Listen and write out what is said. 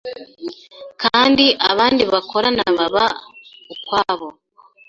kandi abandi bakorana baba ukwabo